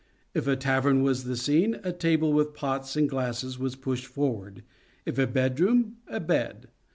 If a tavern was the scene, a table with pots and glasses was pushed forward ; if a bedroom, a bed.